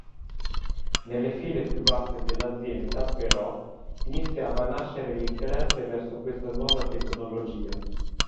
Nelle file più basse dell'azienda, però, iniziava a nascere l'interesse verso questa nuova tecnologia.